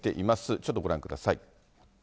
ちょっとご覧ください。